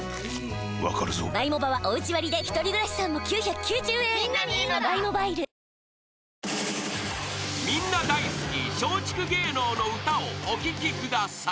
わかるぞ［みんな大好き松竹芸能の歌をお聴きください］